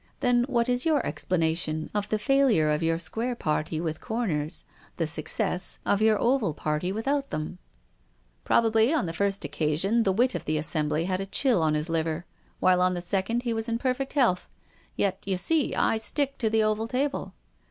" Then what is your explanation of the failure of your square party with corners, the success of your oval party without them ?"" Probably on the first occasion the wit of the assembly had a chill on his liver, while on the second he was in perfect health. Yet, you see, I stick to the oval table."